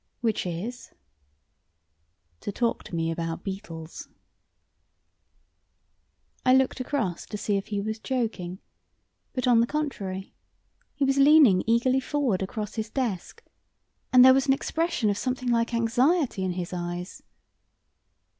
"Which is?" "To talk to me about beetles." I looked across to see if he was joking, but, on the contrary, he was leaning eagerly forward across his desk, and there was an expression of something like anxiety in his eyes.